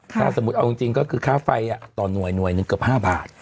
ถ้าสมมุติเอาจริงก็คือค่าไฟต่อหน่วยหน่วยหนึ่งเกือบ๕บาท